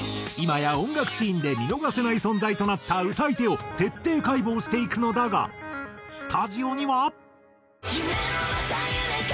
今や音楽シーンで見逃せない存在となった歌い手を徹底解剖していくのだがスタジオには。